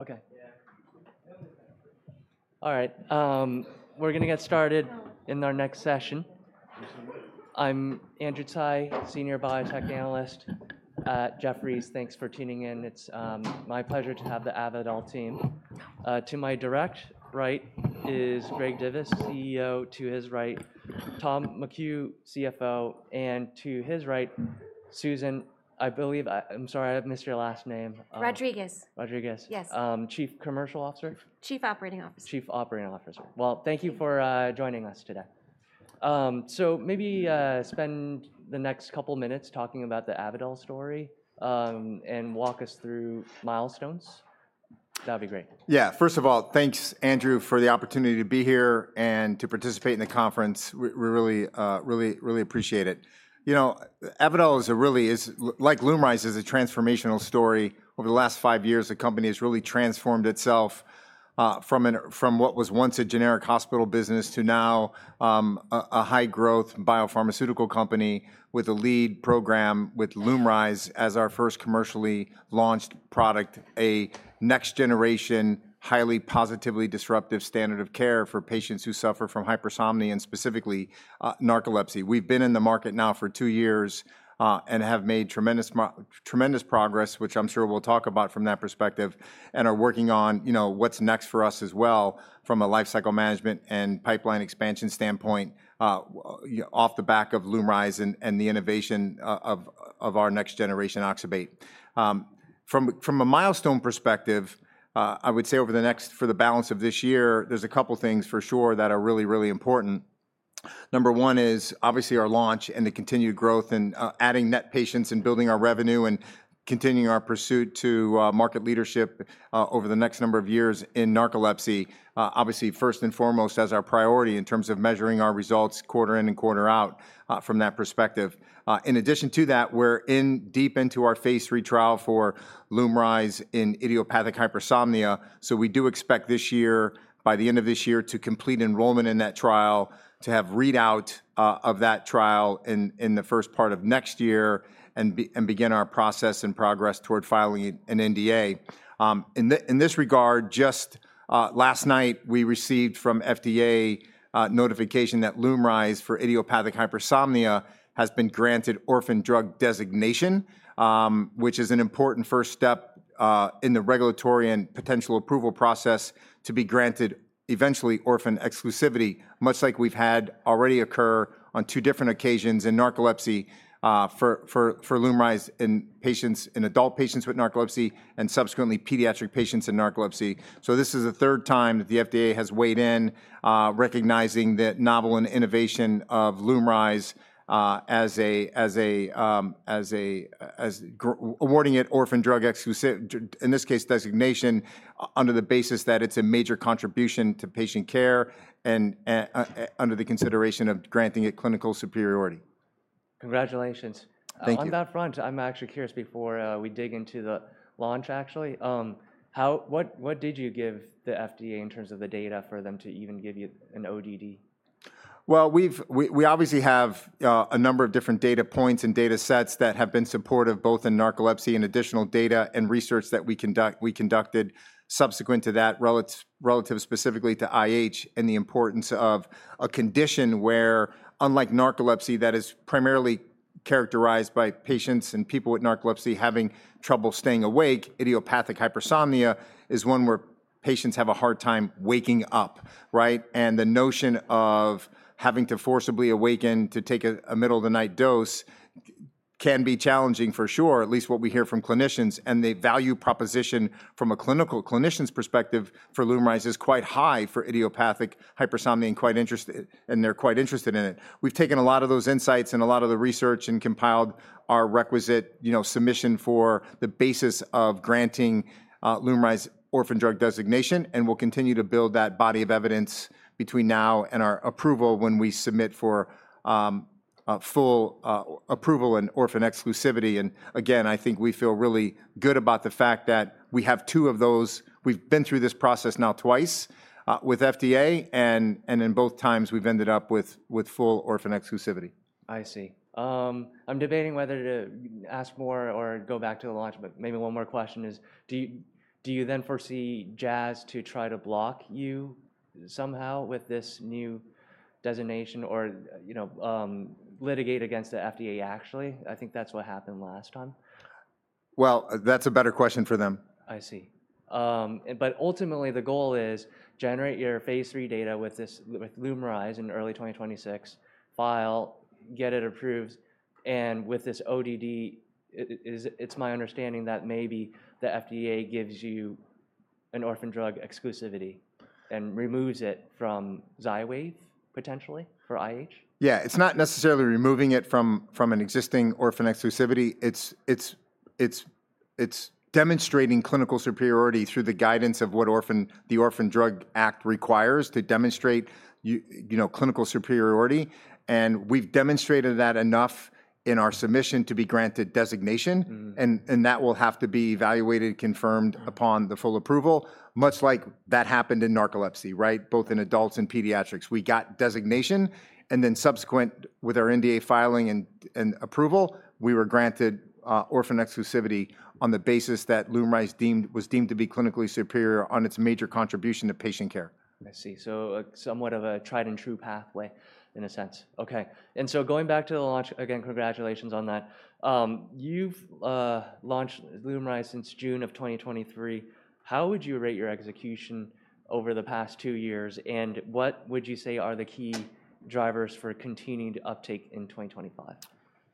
Okay. All right. We're going to get started in our next session. I'm Andrew Tsai, Senior Biotech Analyst at Jefferies. Thanks for tuning in. It's my pleasure to have the Avadel team. To my direct right is Greg Divis, CEO. To his right, Tom McHugh, CFO. And to his right, Susan, I believe—I'm sorry, I missed your last name. Rodriguez. Rodriguez. Yes. Chief Commercial Officer. Chief Operating Officer. Chief Operating Officer. Thank you for joining us today. Maybe spend the next couple of minutes talking about the Avadel story and walk us through milestones. That would be great. Yeah. First of all, thanks, Andrew, for the opportunity to be here and to participate in the conference. We really, really appreciate it. You know, Avadel is a really—like LUMRYZ, is a transformational story. Over the last five years, the company has really transformed itself from what was once a generic hospital business to now a high-growth biopharmaceutical company with a lead program with LUMRYZ as our first commercially launched product, a next-generation, highly positively disruptive standard of care for patients who suffer from hypersomnia and specifically narcolepsy. We've been in the market now for two years and have made tremendous progress, which I'm sure we'll talk about from that perspective, and are working on what's next for us as well from a lifecycle management and pipeline expansion standpoint off the back of LUMRYZ and the innovation of our next-generation oxybate. From a milestone perspective, I would say over the next—for the balance of this year, there's a couple of things for sure that are really, really important. Number one is obviously our launch and the continued growth and adding net patients and building our revenue and continuing our pursuit to market leadership over the next number of years in narcolepsy. Obviously, first and foremost, as our priority in terms of measuring our results quarter in and quarter out from that perspective. In addition to that, we're deep into our phase III trial for LUMRYZ in idiopathic hypersomnia. So we do expect this year, by the end of this year, to complete enrollment in that trial, to have readout of that trial in the first part of next year, and begin our process and progress toward filing an NDA. In this regard, just last night, we received from FDA notification that LUMRYZ for idiopathic hypersomnia has been granted Orphan Drug Designation, which is an important first step in the regulatory and potential approval process to be granted eventually orphan exclusivity, much like we've had already occur on two different occasions in narcolepsy for LUMRYZ in patients—in adult patients with narcolepsy and subsequently pediatric patients in narcolepsy. This is the third time that the FDA has weighed in, recognizing the novel innovation of LUMRYZ as awarding it orphan drug exclusivity, in this case, designation under the basis that it's a major contribution to patient care and under the consideration of granting it clinical superiority. Congratulations. Thank you. On that front, I'm actually curious before we dig into the launch, actually, what did you give the FDA in terms of the data for them to even give you an ODD? We obviously have a number of different data points and data sets that have been supportive both in narcolepsy and additional data and research that we conducted subsequent to that, relative specifically to IH and the importance of a condition where, unlike narcolepsy that is primarily characterized by patients and people with narcolepsy having trouble staying awake, idiopathic hypersomnia is one where patients have a hard time waking up, right? The notion of having to forcibly awaken to take a middle-of-the-night dose can be challenging for sure, at least what we hear from clinicians. The value proposition from a clinician's perspective for LUMRYZ is quite high for idiopathic hypersomnia and quite interested in it. We've taken a lot of those insights and a lot of the research and compiled our requisite submission for the basis of granting LUMRYZ Orphan Drug Designation, and we'll continue to build that body of evidence between now and our approval when we submit for full approval and orphan exclusivity. I think we feel really good about the fact that we have two of those. We've been through this process now twice with FDA, and in both times, we've ended up with full orphan exclusivity. I see. I'm debating whether to ask more or go back to the launch, but maybe one more question is, do you then foresee Jazz to try to block you somehow with this new designation or litigate against the FDA actually? I think that's what happened last time. That's a better question for them. I see. Ultimately, the goal is generate your phase III data with LUMRYZ in early 2026, file, get it approved, and with this ODD, it's my understanding that maybe the FDA gives you an Orphan Drug Exclusivity and removes it from XYWAV potentially for IH. Yeah. It's not necessarily removing it from an existing orphan exclusivity. It's demonstrating clinical superiority through the guidance of what the Orphan Drug Act requires to demonstrate clinical superiority. We've demonstrated that enough in our submission to be granted designation. That will have to be evaluated, confirmed upon the full approval, much like that happened in narcolepsy, right? Both in adults and pediatrics. We got designation, and then subsequent with our NDA filing and approval, we were granted orphan exclusivity on the basis that LUMRYZ was deemed to be clinically superior on its major contribution to patient care. I see. So somewhat of a tried-and-true pathway in a sense. Okay. And so going back to the launch, again, congratulations on that. You've launched LUMRYZ since June of 2023. How would you rate your execution over the past two years? And what would you say are the key drivers for continued uptake in 2025?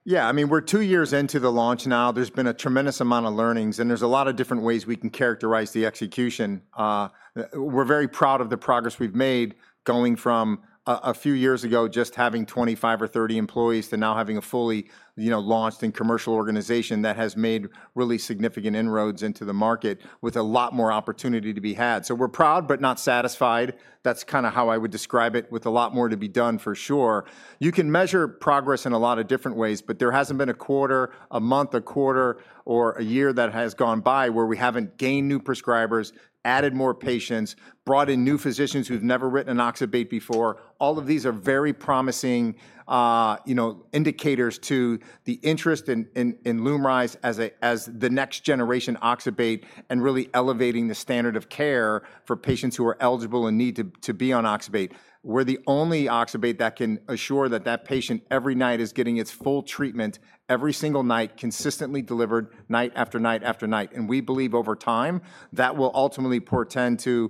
Yeah. I mean, we're two years into the launch now. There's been a tremendous amount of learnings, and there's a lot of different ways we can characterize the execution. We're very proud of the progress we've made going from a few years ago just having 25 or 30 employees to now having a fully launched and commercial organization that has made really significant inroads into the market with a lot more opportunity to be had. We're proud but not satisfied. That's kind of how I would describe it, with a lot more to be done for sure. You can measure progress in a lot of different ways, but there hasn't been a quarter, a month, a quarter, or a year that has gone by where we haven't gained new prescribers, added more patients, brought in new physicians who've never written an oxybate before. All of these are very promising indicators to the interest in LUMRYZ as the next generation oxybate and really elevating the standard of care for patients who are eligible and need to be on oxybate. We're the only oxybate that can assure that that patient every night is getting its full treatment every single night, consistently delivered night after night after night. We believe over time that will ultimately portend to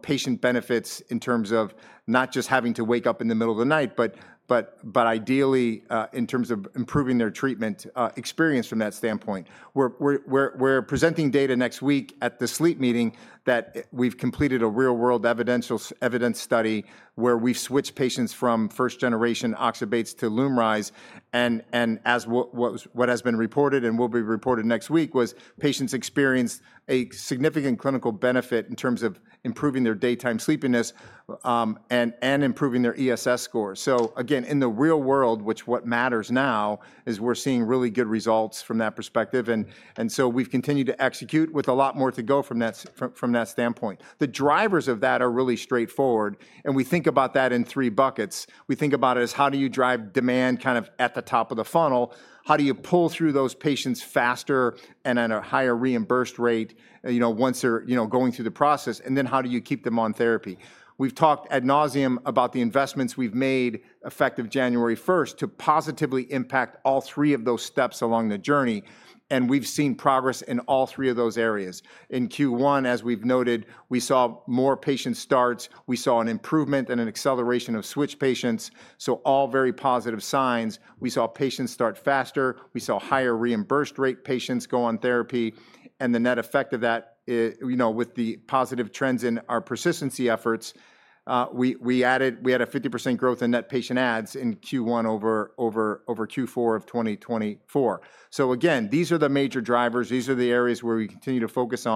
patient benefits in terms of not just having to wake up in the middle of the night, but ideally in terms of improving their treatment experience from that standpoint. We're presenting data next week at the sleep meeting that we've completed a real-world evidence study where we've switched patients from first-generation oxybates to LUMRYZ. As what has been reported and will be reported next week was patients experienced a significant clinical benefit in terms of improving their daytime sleepiness and improving their ESS score. Again, in the real world, which is what matters now, we're seeing really good results from that perspective. We have continued to execute with a lot more to go from that standpoint. The drivers of that are really straightforward. We think about that in three buckets. We think about it as how do you drive demand kind of at the top of the funnel? How do you pull through those patients faster and at a higher reimbursed rate once they're going through the process? Then how do you keep them on therapy? We have talked ad nauseam about the investments we have made effective January 1st to positively impact all three of those steps along the journey. We have seen progress in all three of those areas. In Q1, as we have noted, we saw more patient starts. We saw an improvement and an acceleration of switch patients. All very positive signs. We saw patients start faster. We saw higher reimbursed rate patients go on therapy. The net effect of that, with the positive trends in our persistency efforts, is we had a 50% growth in net patient adds in Q1 over Q4 of 2024. These are the major drivers. These are the areas where we continue to focus.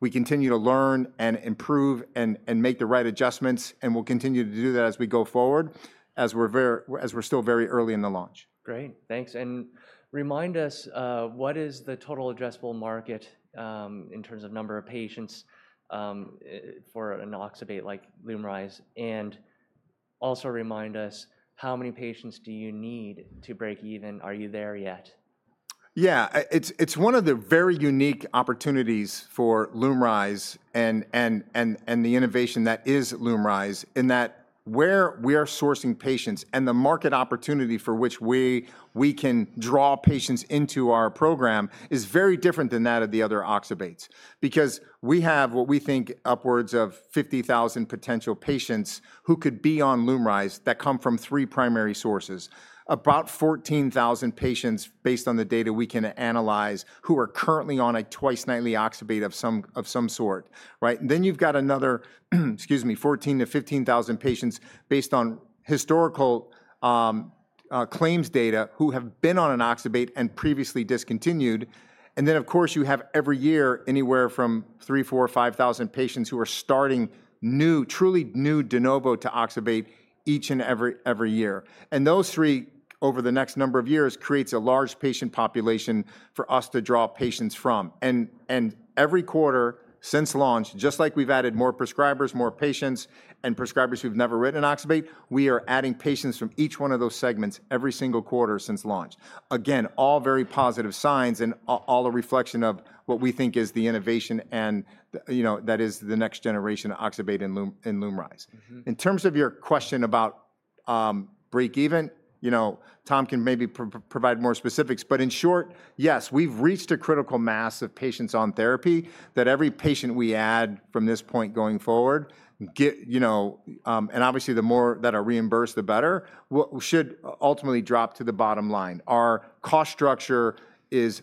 We continue to learn and improve and make the right adjustments. We will continue to do that as we go forward as we are still very early in the launch. Great. Thanks. Remind us, what is the total addressable market in terms of number of patients for an oxybate like LUMRYZ? Also remind us, how many patients do you need to break even? Are you there yet? Yeah. It's one of the very unique opportunities for LUMRYZ and the innovation that is LUMRYZ in that where we are sourcing patients and the market opportunity for which we can draw patients into our program is very different than that of the other oxybates because we have what we think upwards of 50,000 potential patients who could be on LUMRYZ that come from three primary sources, about 14,000 patients based on the data we can analyze who are currently on a twice-nightly oxybate of some sort, right? Then you've got another, excuse me, 14,000-15,000 patients based on historical claims data who have been on an oxybate and previously discontinued. And then, of course, you have every year anywhere from 3,000, 4,000, 5,000 patients who are starting new, truly new de novo to oxybate each and every year. Those three over the next number of years creates a large patient population for us to draw patients from. Every quarter since launch, just like we've added more prescribers, more patients, and prescribers who've never written an oxybate, we are adding patients from each one of those segments every single quarter since launch. Again, all very positive signs and all a reflection of what we think is the innovation and that is the next generation oxybate and LUMRYZ. In terms of your question about break even, Tom can maybe provide more specifics, but in short, yes, we've reached a critical mass of patients on therapy that every patient we add from this point going forward, and obviously the more that are reimbursed, the better, should ultimately drop to the bottom line. Our cost structure is,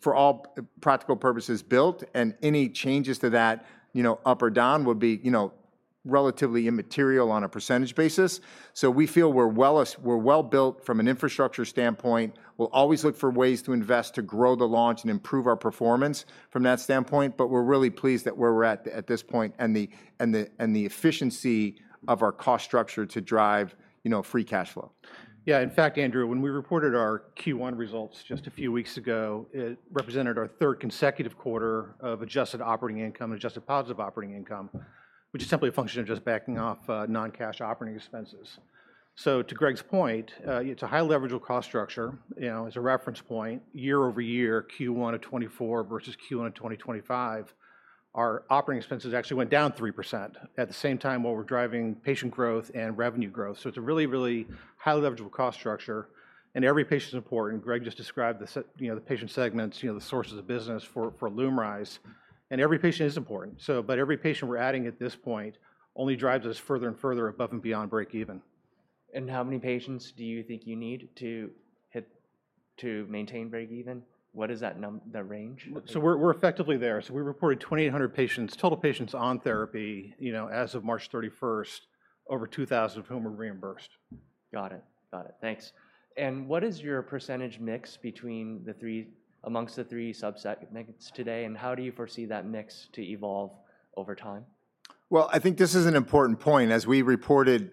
for all practical purposes, built, and any changes to that up or down would be relatively immaterial on a percentage basis. We feel we're well built from an infrastructure standpoint. We'll always look for ways to invest to grow the launch and improve our performance from that standpoint, but we're really pleased at where we're at at this point and the efficiency of our cost structure to drive free cash flow. Yeah. In fact, Andrew, when we reported our Q1 results just a few weeks ago, it represented our third consecutive quarter of adjusted operating income and adjusted positive operating income, which is simply a function of just backing off non-cash operating expenses. To Greg's point, it's a high leverage of cost structure. As a reference point, year over year, Q1 of 2024 versus Q1 of 2025, our operating expenses actually went down 3% at the same time while we're driving patient growth and revenue growth. It's a really, really high leverage of cost structure. Every patient's important. Greg just described the patient segments, the sources of business for LUMRYZ. Every patient is important. Every patient we're adding at this point only drives us further and further above and beyond break even. How many patients do you think you need to maintain break even? What is that range? We're effectively there. We reported 2,800 patients, total patients on therapy as of March 31st, over 2,000 of whom are reimbursed. Got it. Got it. Thanks. What is your percentage mix amongst the three subsegments today? How do you foresee that mix to evolve over time? I think this is an important point. As we reported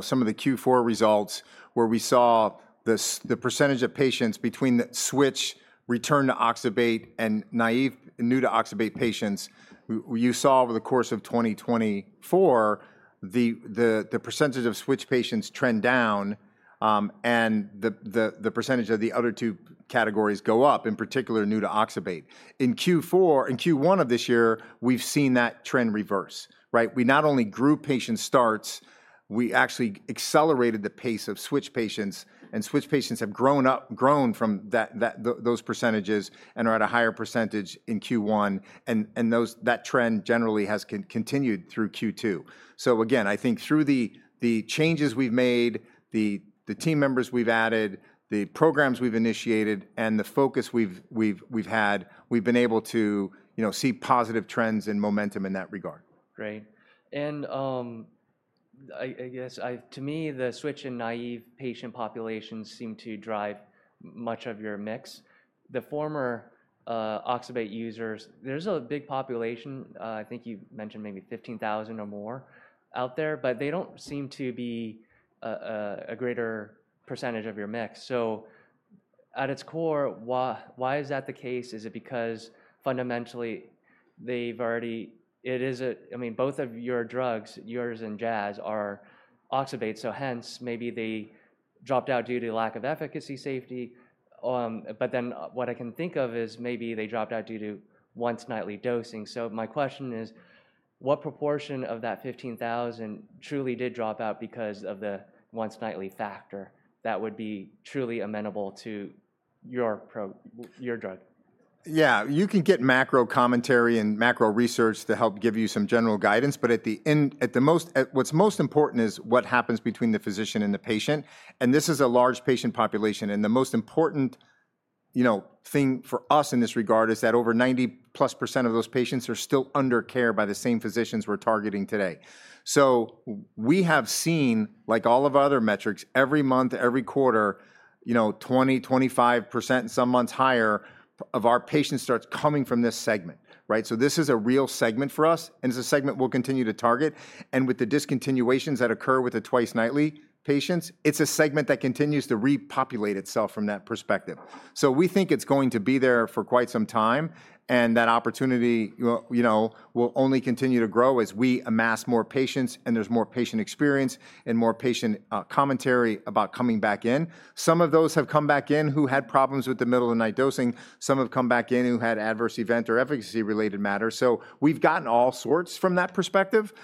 some of the Q4 results where we saw the percentage of patients between switch, return to oxybate, and new to oxybate patients, you saw over the course of 2024, the percentage of switch patients trend down and the percentage of the other two categories go up, in particular, new to oxybate. In Q1 of this year, we've seen that trend reverse, right? We not only grew patient starts, we actually accelerated the pace of switch patients. Switch patients have grown from those percentages and are at a higher percentage in Q1. That trend generally has continued through Q2. I think through the changes we've made, the team members we've added, the programs we've initiated, and the focus we've had, we've been able to see positive trends and momentum in that regard. Great. I guess to me, the switch and naive patient populations seem to drive much of your mix. The former oxybate users, there's a big population. I think you mentioned maybe 15,000 or more out there, but they don't seem to be a greater percentage of your mix. At its core, why is that the case? Is it because fundamentally they've already—I mean, both of your drugs, yours and Jazz, are oxybate. Hence, maybe they dropped out due to lack of efficacy, safety. What I can think of is maybe they dropped out due to once-nightly dosing. My question is, what proportion of that 15,000 truly did drop out because of the once-nightly factor that would be truly amenable to your drug? Yeah. You can get macro commentary and macro research to help give you some general guidance. At the most, what's most important is what happens between the physician and the patient. This is a large patient population. The most important thing for us in this regard is that over 90% of those patients are still under care by the same physicians we're targeting today. We have seen, like all of other metrics, every month, every quarter, 20-25%, some months higher, of our patient starts coming from this segment, right? This is a real segment for us, and it's a segment we'll continue to target. With the discontinuations that occur with the twice-nightly patients, it's a segment that continues to repopulate itself from that perspective. We think it's going to be there for quite some time. That opportunity will only continue to grow as we amass more patients and there's more patient experience and more patient commentary about coming back in. Some of those have come back in who had problems with the middle-of-the-night dosing. Some have come back in who had adverse event or efficacy-related matters. We've gotten all sorts from that perspective.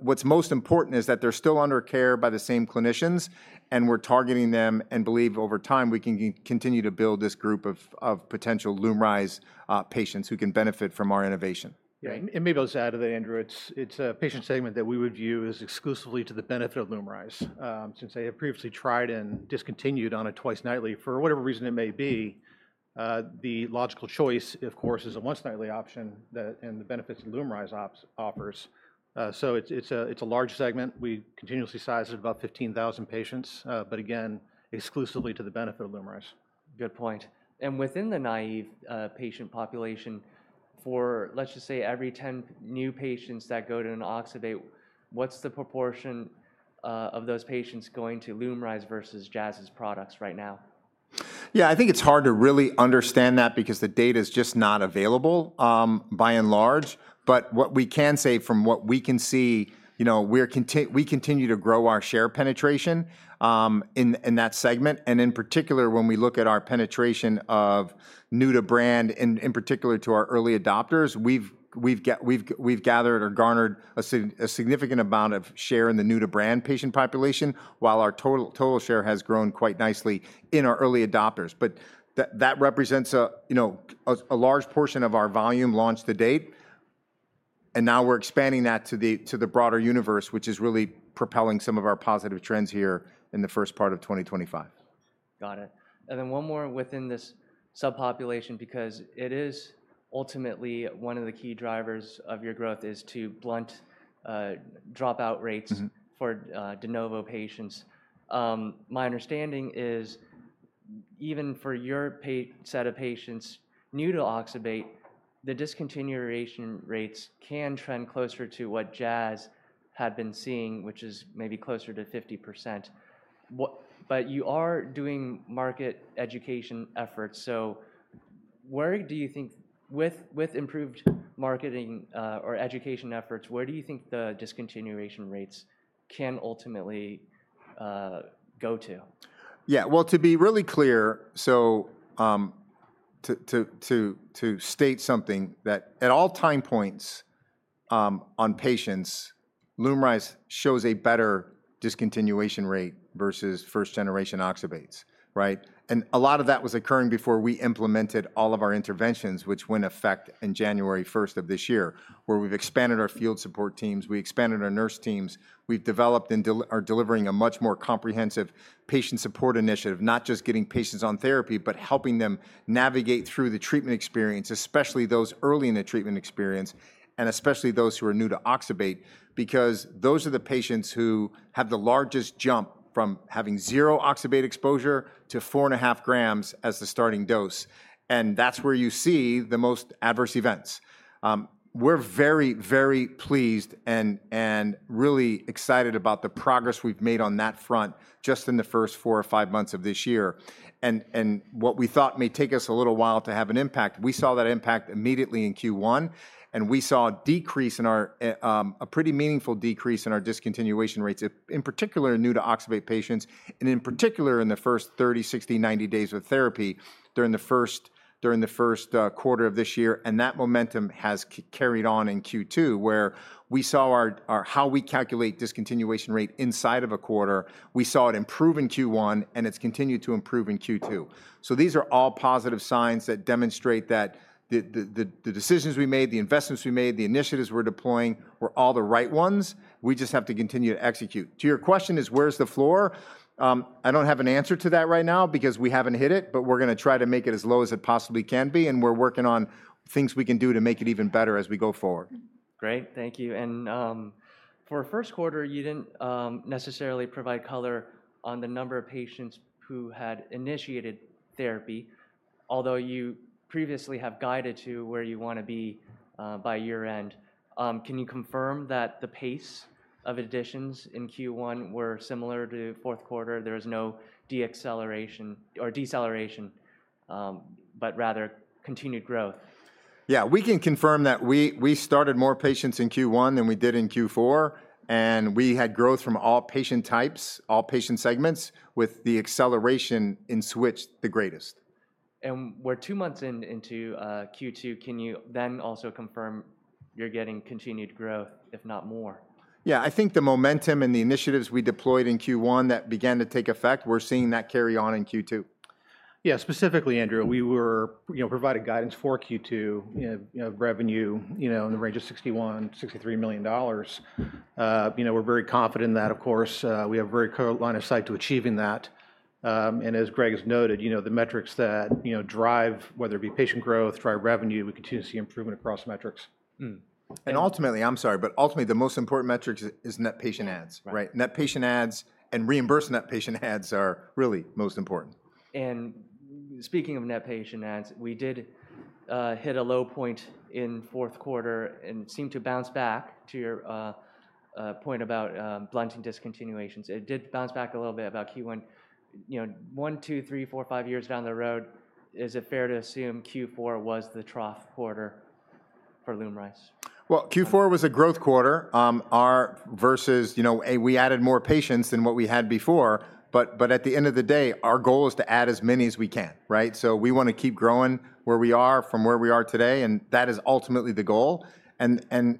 What's most important is that they're still under care by the same clinicians. We're targeting them and believe over time we can continue to build this group of potential LUMRYZ patients who can benefit from our innovation. Yeah. Maybe I'll just add that, Andrew, it's a patient segment that we would view as exclusively to the benefit of LUMRYZ. Since they have previously tried and discontinued on a twice-nightly for whatever reason it may be, the logical choice, of course, is a once-nightly option and the benefits that LUMRYZ offers. It's a large segment. We continuously size it about 15,000 patients, but again, exclusively to the benefit of LUMRYZ. Good point. Within the naive patient population, for, let's just say, every 10 new patients that go to an oxybate, what's the proportion of those patients going to LUMRYZ versus Jazz's products right now? Yeah. I think it's hard to really understand that because the data is just not available by and large. What we can say from what we can see, we continue to grow our share penetration in that segment. In particular, when we look at our penetration of new to brand, in particular to our early adopters, we've gathered or garnered a significant amount of share in the new-to-brand patient population, while our total share has grown quite nicely in our early adopters. That represents a large portion of our volume launched to date. Now we're expanding that to the broader universe, which is really propelling some of our positive trends here in the first part of 2025. Got it. And then one more within this subpopulation because it is ultimately one of the key drivers of your growth is to blunt dropout rates for de novo patients. My understanding is even for your set of patients new to oxybate, the discontinuation rates can trend closer to what Jazz had been seeing, which is maybe closer to 50%. But you are doing market education efforts. So where do you think, with improved marketing or education efforts, where do you think the discontinuation rates can ultimately go to? Yeah. To be really clear, to state something, at all time points on patients, LUMRYZ shows a better discontinuation rate versus first-generation oxybates, right? A lot of that was occurring before we implemented all of our interventions, which went into effect on January 1st of this year, where we have expanded our field support teams, we expanded our nurse teams, we have developed and are delivering a much more comprehensive patient support initiative, not just getting patients on therapy, but helping them navigate through the treatment experience, especially those early in the treatment experience, and especially those who are new to oxybate because those are the patients who have the largest jump from having zero oxybate exposure to 4.5 grams as the starting dose. That is where you see the most adverse events. We're very, very pleased and really excited about the progress we've made on that front just in the first four or five months of this year. What we thought may take us a little while to have an impact, we saw that impact immediately in Q1. We saw a decrease in our—a pretty meaningful decrease in our discontinuation rates, in particular, new to oxybate patients, and in particular, in the first 30, 60, 90 days of therapy during the first quarter of this year. That momentum has carried on in Q2, where we saw how we calculate discontinuation rate inside of a quarter. We saw it improve in Q1, and it has continued to improve in Q2. These are all positive signs that demonstrate that the decisions we made, the investments we made, the initiatives we're deploying were all the right ones. We just have to continue to execute. To your question is, where's the floor? I don't have an answer to that right now because we haven't hit it, but we're going to try to make it as low as it possibly can be. We're working on things we can do to make it even better as we go forward. Great. Thank you. For first quarter, you did not necessarily provide color on the number of patients who had initiated therapy, although you previously have guided to where you want to be by year-end. Can you confirm that the pace of additions in Q1 was similar to fourth quarter? There was no deceleration, but rather continued growth. Yeah. We can confirm that we started more patients in Q1 than we did in Q4. We had growth from all patient types, all patient segments, with the acceleration in switch the greatest. We're two months into Q2. Can you then also confirm you're getting continued growth, if not more? Yeah. I think the momentum and the initiatives we deployed in Q1 that began to take effect, we're seeing that carry on in Q2. Yeah. Specifically, Andrew, we were providing guidance for Q2 revenue in the range of $61 million-$63 million. We're very confident in that, of course. We have a very clear line of sight to achieving that. As Greg has noted, the metrics that drive, whether it be patient growth, drive revenue, we continue to see improvement across metrics. Ultimately, I'm sorry, but ultimately, the most important metric is net patient adds, right? Net patient ads and reimbursed net patient adds are really most important. Speaking of net patient adds, we did hit a low point in fourth quarter and seemed to bounce back to your point about blunting discontinuations. It did bounce back a little bit about Q1. One, two, three, four, five years down the road, is it fair to assume Q4 was the trough quarter for LUMRYZ? Q4 was a growth quarter versus we added more patients than what we had before. At the end of the day, our goal is to add as many as we can, right? We want to keep growing where we are from where we are today. That is ultimately the goal.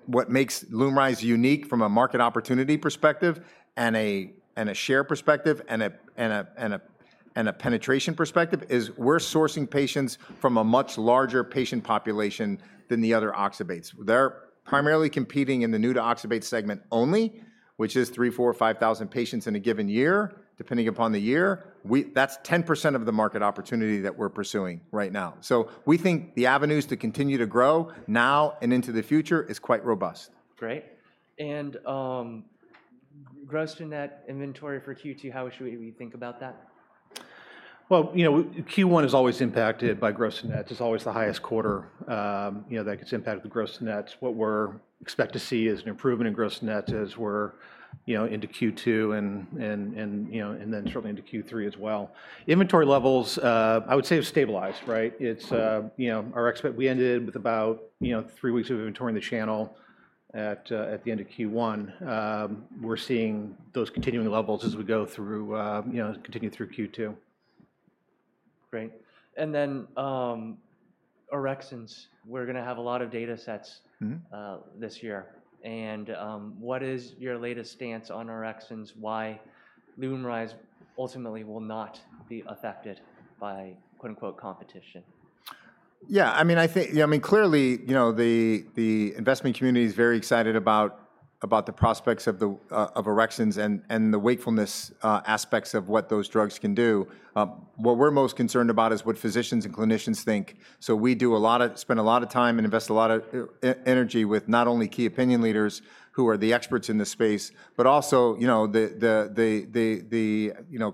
What makes LUMRYZ unique from a market opportunity perspective and a share perspective and a penetration perspective is we're sourcing patients from a much larger patient population than the other oxybates. They're primarily competing in the new to oxybate segment only, which is 3,000-5,000 patients in a given year, depending upon the year. That's 10% of the market opportunity that we're pursuing right now. We think the avenues to continue to grow now and into the future is quite robust. Great. Gross to net inventory for Q2, how should we think about that? Q1 is always impacted by gross to net. It's always the highest quarter that gets impacted with gross to net. What we're expecting to see is an improvement in gross to net as we're into Q2 and then certainly into Q3 as well. Inventory levels, I would say, have stabilized, right? We ended with about three weeks of inventory in the channel at the end of Q1. We're seeing those continuing levels as we continue through Q2. Great. And then orexins, we're going to have a lot of data sets this year. What is your latest stance on orexins? Why LUMRYZ ultimately will not be affected by "competition"? Yeah. I mean, I think, I mean, clearly, the investment community is very excited about the prospects of orexins and the wakefulness aspects of what those drugs can do. What we're most concerned about is what physicians and clinicians think. We do spend a lot of time and invest a lot of energy with not only key opinion leaders who are the experts in the space, but also the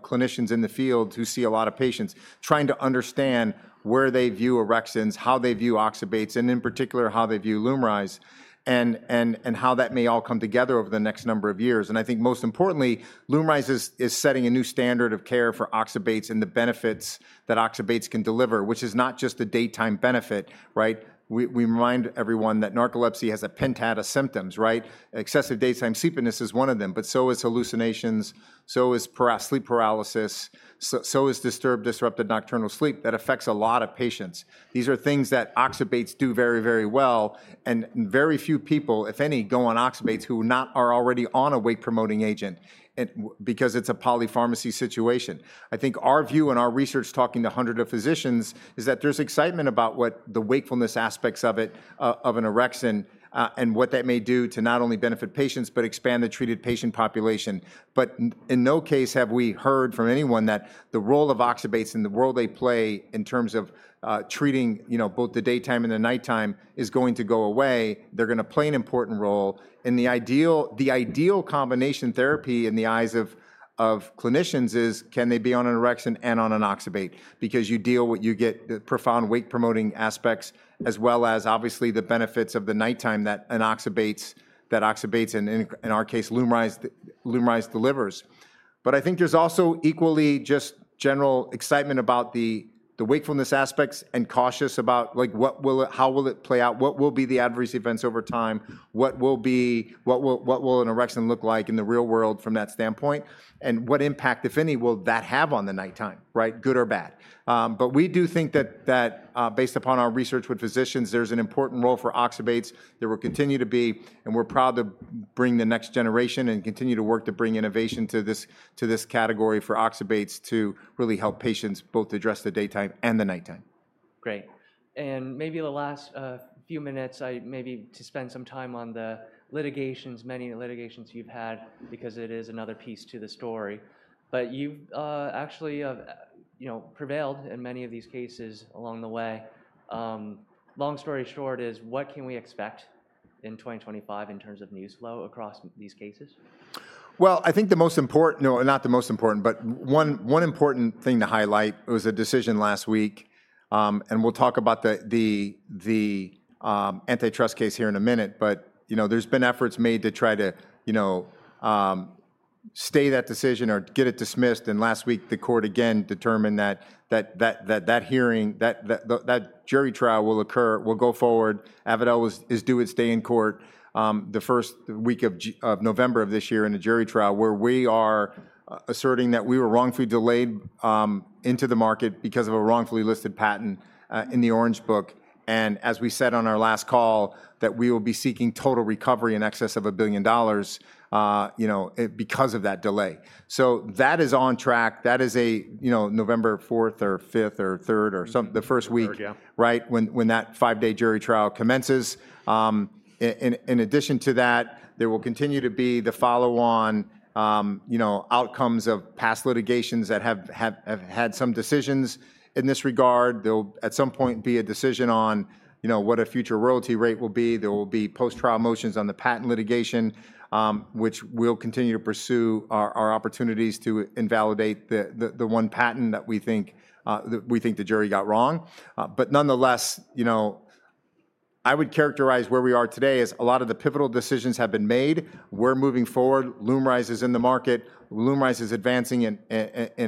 clinicians in the field who see a lot of patients, trying to understand where they view orexins, how they view oxybates, and in particular, how they view LUMRYZ and how that may all come together over the next number of years. I think most importantly, LUMRYZ is setting a new standard of care for oxybates and the benefits that oxybates can deliver, which is not just a daytime benefit, right? We remind everyone that narcolepsy has a pentad of symptoms, right? Excessive daytime sleepiness is one of them, but so is hallucinations, so is sleep paralysis, so is disturbed, disrupted nocturnal sleep that affects a lot of patients. These are things that oxybates do very, very well. Very few people, if any, go on oxybates who are not already on a wake-promoting agent because it's a polypharmacy situation. I think our view and our research talking to hundreds of physicians is that there's excitement about the wakefulness aspects of it, of an orexin, and what that may do to not only benefit patients, but expand the treated patient population. In no case have we heard from anyone that the role of oxybates and the role they play in terms of treating both the daytime and the nighttime is going to go away. They're going to play an important role. The ideal combination therapy in the eyes of clinicians is can they be on an orexin and on an oxybate because you get profound wake-promoting aspects as well as obviously the benefits of the nighttime that an oxybate and in our case, LUMRYZ, delivers. I think there's also equally just general excitement about the wakefulness aspects and cautious about how will it play out, what will be the adverse events over time, what will an orexin look like in the real world from that standpoint, and what impact, if any, will that have on the nighttime, right? Good or bad. We do think that based upon our research with physicians, there's an important role for oxybates that will continue to be. We're proud to bring the next generation and continue to work to bring innovation to this category for oxybates to really help patients both address the daytime and the nighttime. Great. Maybe the last few minutes, maybe to spend some time on the litigations, many litigations you've had because it is another piece to the story. You've actually prevailed in many of these cases along the way. Long story short is what can we expect in 2025 in terms of news flow across these cases? I think the most important—no, not the most important, but one important thing to highlight was a decision last week. We will talk about the antitrust case here in a minute. There have been efforts made to try to stay that decision or get it dismissed. Last week, the court again determined that that hearing, that jury trial will occur, will go forward. Avadel is due its day in court the first week of November of this year in a jury trial where we are asserting that we were wrongfully delayed into the market because of a wrongfully listed patent in the Orange Book. As we said on our last call, we will be seeking total recovery in excess of $1 billion because of that delay. That is on track. That is November 4th or 5th or 3rd or the first week, right, when that five-day jury trial commences. In addition to that, there will continue to be the follow-on outcomes of past litigations that have had some decisions in this regard. There will at some point be a decision on what a future royalty rate will be. There will be post-trial motions on the patent litigation, which will continue to pursue our opportunities to invalidate the one patent that we think the jury got wrong. Nonetheless, I would characterize where we are today as a lot of the pivotal decisions have been made. We're moving forward. LUMRYZ is in the market. LUMRYZ is advancing in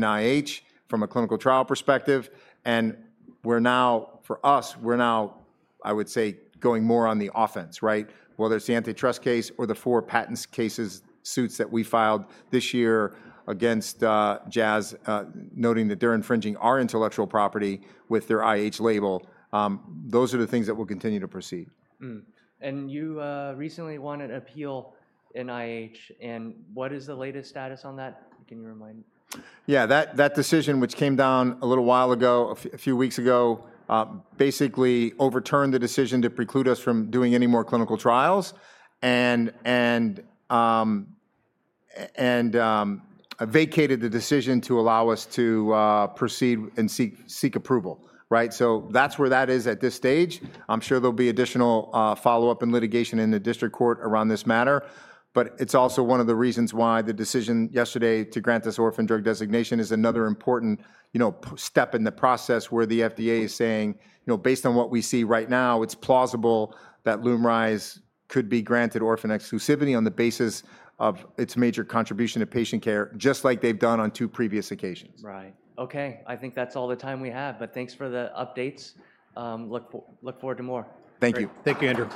IH from a clinical trial perspective. For us, we're now, I would say, going more on the offense, right? Whether it's the antitrust case or the four patent cases suits that we filed this year against Jazz, noting that they're infringing our intellectual property with their IH label. Those are the things that will continue to proceed. You recently won an appeal in IH. What is the latest status on that? Can you remind? Yeah. That decision, which came down a little while ago, a few weeks ago, basically overturned the decision to preclude us from doing any more clinical trials and vacated the decision to allow us to proceed and seek approval, right? That is where that is at this stage. I'm sure there'll be additional follow-up and litigation in the district court around this matter. It is also one of the reasons why the decision yesterday to grant this orphan drug designation is another important step in the process where the FDA is saying, based on what we see right now, it's plausible that LUMRYZ could be granted orphan exclusivity on the basis of its major contribution to patient care, just like they've done on two previous occasions. Right. Okay. I think that's all the time we have. Thanks for the updates. Look forward to more. Thank you. Thank you, Andrew.